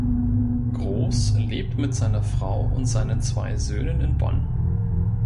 Groß lebt mit seiner Frau und seinen zwei Söhnen in Bonn.